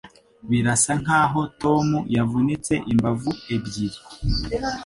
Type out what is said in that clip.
Birasa nkaho Tom yavunitse imbavu ebyiri.